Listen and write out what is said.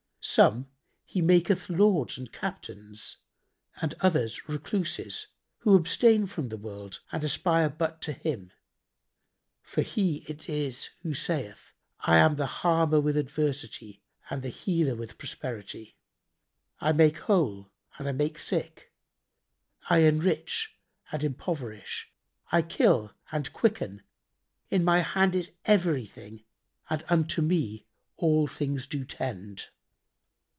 Some He maketh Lords and Captains, and others Recluses, who abstain from the world and aspire but to Him, for He it is who saith, 'I am the Harmer with adversity and the Healer with prosperity. I make whole and make sick. I enrich and impoverish. I kill and quicken: in my hand is everything and unto Me all things do tend.'